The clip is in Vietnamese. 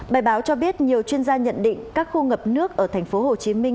bài báo cho biết nhiều chuyên gia nhận định các khu ngập nước ở thành phố hồ chí minh